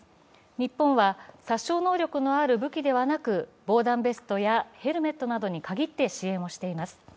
日本は殺傷能力のある武器ではなく、防弾ベストやヘルメットなどに限って支援をしています。